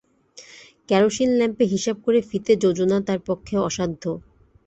Kerosene ল্যাম্পে হিসাব করে ফিতে যোজনা তার পক্ষে অসাধ্য।